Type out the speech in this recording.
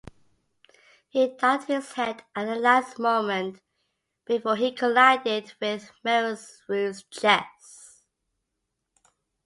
He ducked his head at the last moment before he collided with Mersereau's chest.